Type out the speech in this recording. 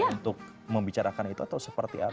untuk membicarakan itu atau seperti apa